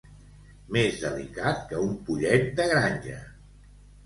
Més delicat que un pollet de granja.